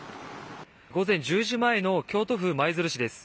午前１０時前の京都府舞鶴市です。